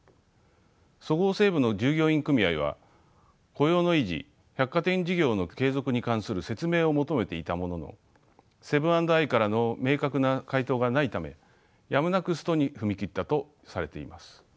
そごう・西武の従業員組合は雇用の維持百貨店事業の継続に関する説明を求めていたもののセブン＆アイからの明確な回答がないためやむなくストに踏み切ったとされています。